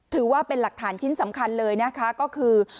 ถือว่าเป็นหลักฐานชิ้นสำคัญเลยนะคะก็คือ